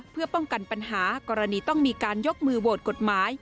เพื่อป้องกันปัญหากรณีต้องมีการยกมือโหวตกฎหมาย